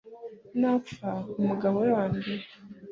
napfa, umugabo we wa mbere